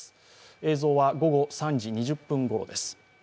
映像は午後３時２０分ごろです。